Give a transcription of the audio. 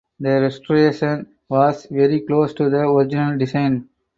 The restoration was very close to the original design.